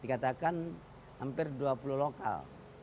dikatakan hampir dua puluh lokal